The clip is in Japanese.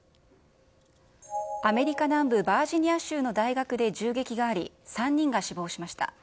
アメリカ南部バージニア州の大学で銃撃があり、３人が死亡しました。